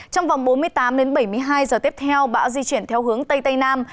trong vòng bốn mươi tám đến bảy mươi hai giờ tiếp theo bão di chuyển theo hướng tây tây nam